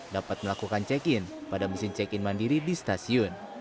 dapat melakukan check in pada mesin check in mandiri di stasiun